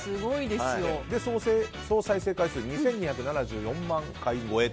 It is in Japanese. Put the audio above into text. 総再生回数が２２７４万回超え。